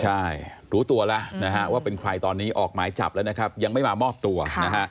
ใช่รู้ตัวแล้วนะฮะว่าเป็นใครตอนนี้ออกหมายจับแล้วนะครับยังไม่มามอบตัวนะฮะ